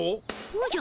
おじゃ？